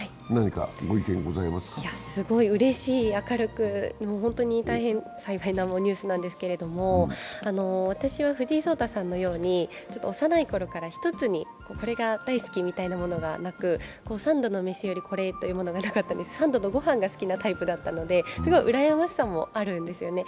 すごいうれしい明るく、本当に大変幸いなニュースなんですけれども私は藤井聡太さんのように幼い頃から一つに、これが大好きみたいなものがなく、三度の飯よりこれというのがなくて三度のご飯が好きなタイプだったので、すごいうらやましさがあるんですね。